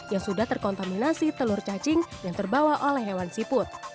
yang sudah terkontaminasi telur cacing yang terbawa oleh hewan siput